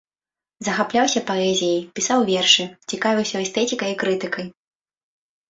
Захапляўся паэзіяй, пісаў вершы, цікавіўся эстэтыкай і крытыкай.